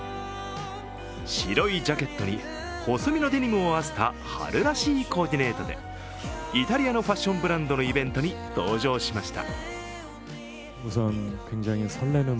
白いジャケットに細身のデニムを合わせた春らしいコーディネートでイタリアのファッションブランドのイベントに登場しました。